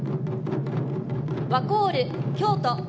ワコール・京都。